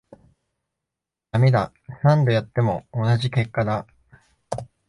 ダメだ、何度やっても同じ結果だ